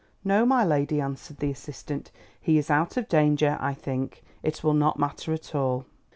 "No, my lady," answered the assistant, "he is out of danger, I think; it will not matter at all."